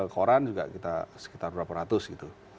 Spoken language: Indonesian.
koran juga kita sekitar berapa ratus gitu